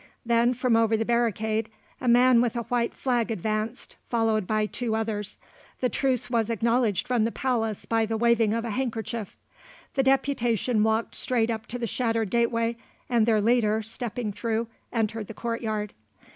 Then from over the barricade a man with a white flag advanced, followed by two others. The truce was acknowledged from the palace by the waving of a handkerchief. The deputation walked straight up to the shattered gateway, and their leader, stepping through, entered the courtyard.